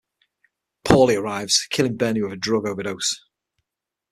Paulie arrives, killing Bernie with a drug overdose.